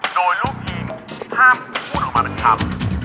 โดยลูกทีมห้ามพูดออกมาหนึ่งคำ